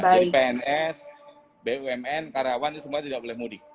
jadi pns bumn karyawan itu semua tidak boleh mudik